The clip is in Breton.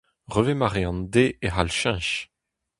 Hervez mare an deiz e c'hall cheñch.